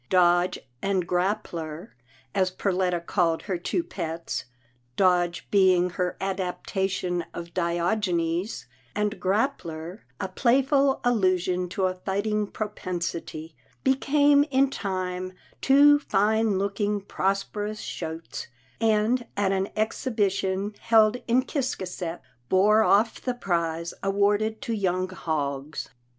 Dodge and Grap pler, as Perletta called her two pets — Dodge be ing her adaptation of Diogenes, and Grappler a playful allusion to a fighting propensity — became in time two fine looking, prosperous shotes, and at an exhibition held in Ciscasset, bore off the prize awarded to young hogs.